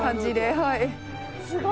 はい。